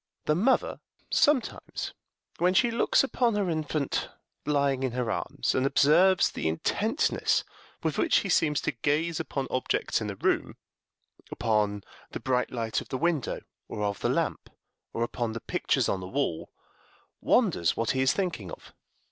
The mother sometimes, when she looks upon her infant lying in her arms, and observes the intentness with which he seems to gaze upon objects in the room upon the bright light of the window or of the lamp, or upon the pictures on the wall wonders what he is thinking of.